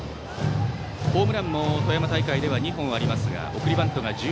ホームランも富山大会では２本ありますが送りバントが１１。